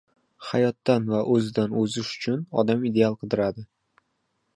Hayotdan va o‘zidan o‘zish uchun odam ideal qidiradi.